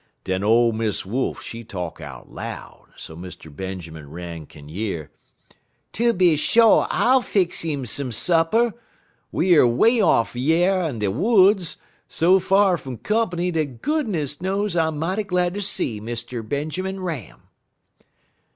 "Den ole Miss Wolf, she talk out loud, so Mr. Benjermun Ram kin year: "'Tooby sho' I'll fix 'im some supper. We er 'way off yer in de woods, so fur fum comp'ny dat goodness knows I'm mighty glad ter see Mr. Benjermun Ram.'